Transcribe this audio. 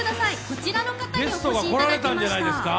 こちらの方にお越しいただきました。